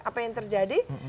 apa yang terjadi